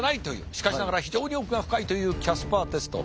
しかしながら非常に奥が深いというキャスパーテスト。